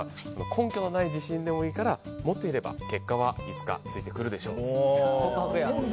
根拠のない自信でもいいから持っていれば結果はいつかついてくるでしょうと。